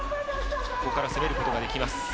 ここから攻めることができます。